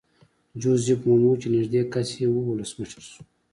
جوزیف مومو چې نږدې کس یې وو ولسمشر شو.